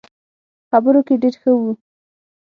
خبرو کې ډېر ښه وو.